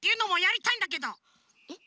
えっ？